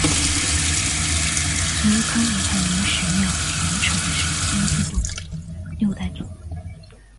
陈汝康为海宁十庙前陈氏迁居后的六代祖。